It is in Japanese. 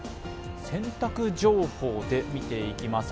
洗濯情報で見ていきます。